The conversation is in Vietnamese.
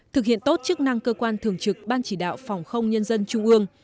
thực hiện tốt chức năng cơ quan thường trực ban chỉ đạo phòng không nhân dân trung ương